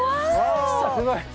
おすごい！